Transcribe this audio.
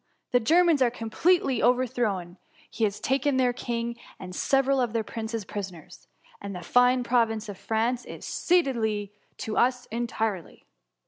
The Germans are completely over thrown. He has taken their king, and several of their princes prisoners; and the fine province of France is ceded to us entirely